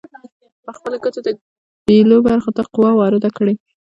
پر خپلې ګوتې د بیلو برخو ته قوه وارده کړئ.